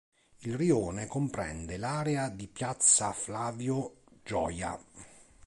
Il Rione comprende l'area di Piazza Flavio Gioia.